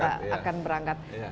kereta akan berangkat